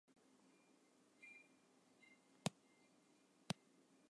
Wy fine it tige wichtich dat wy goed te berikken binne.